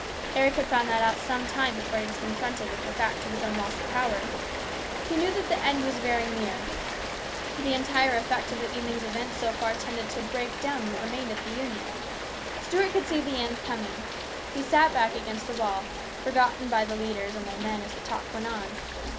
Eric had found that out some time before he was confronted with the fact of his own loss of power. He knew that the end was very near. The entire effect of the evening's event so far tended to break down what remained of the Union. Stuart could see the end coming. He sat back against the wall, forgotten by the leaders and their men as the talk went on.